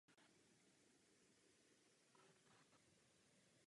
Během zahájení olympiády však zemřel jeho otec.